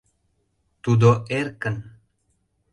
Тудо эркын: